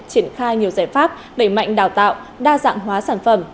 triển khai nhiều giải pháp đẩy mạnh đào tạo đa dạng hóa sản phẩm